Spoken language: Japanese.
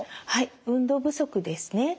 運動不足ですね。